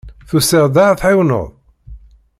Tusiḍ-d ad ɣ-tɛiwneḍ?